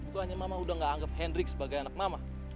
tukangnya mama udah gak anggap hendrik sebagai anak mama